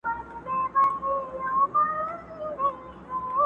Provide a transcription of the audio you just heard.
زړه او سر مي وه په لاس کي ستا د زلفو دام ته راغلم،